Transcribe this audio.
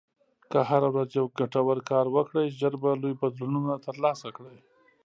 که هره ورځ یو ګټور کار وکړې، ژر به لوی بدلونونه ترلاسه کړې.